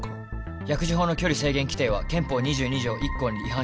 薬事法の距離制限規定は憲法２２条１項に違反しているか？です。